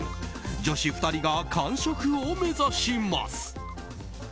女子２人が完食を目指します。